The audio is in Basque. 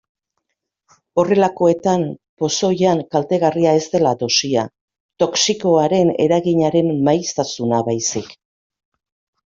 Horrelakoetan pozoian kaltegarria ez dela dosia, toxikoaren eraginaren maiztasuna baizik.